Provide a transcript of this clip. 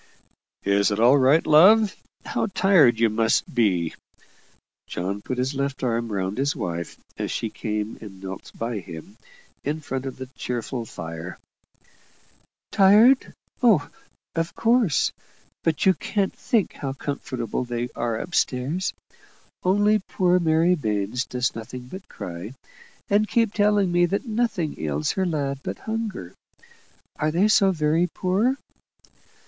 "Is all right, love? How tired you must be!" John put his left arm round his wife as she came and knelt by him, in front of the cheerful fire. "Tired? Oh, of course; but you can't think how comfortable they are up stairs. Only poor Mary Baines does nothing but cry, and keep telling me that nothing ails her lad but hunger. Are they so very poor?"